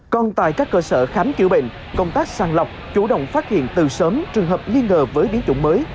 còn tại các cơ sở khám chữa bệnh công tác sàng lọc chủ động phát hiện từ sớm trường hợp nghi ngờ với biến chủng mới